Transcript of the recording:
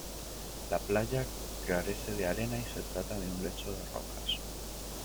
La playa carece de arena y se trata de un lecho de rocas.